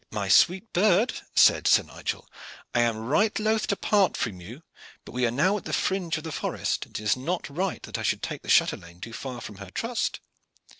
"My sweet bird," said Sir Nigel, "I am right loth to part from you, but we are now at the fringe of the forest, and it is not right that I should take the chatelaine too far from her trust."